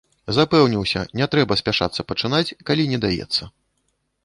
Запэўніўся, не трэба спяшацца пачынаць, калі не даецца.